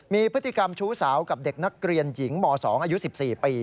มีพฤติกรรมชู้สาวกับเด็กนักเรียนหญิงม๒อายุ๑๔ปี